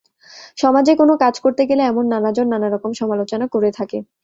সমাজে কোনো কাজ করতে গেলে এমন নানাজন নানা রকম সমালোচনা করে থাকে।